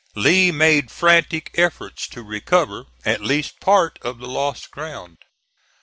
Lee made frantic efforts to recover at least part of the lost ground.